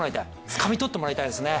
つかみとってもらいたいですね